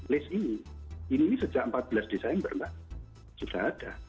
list ini ini sejak empat belas desember mbak sudah ada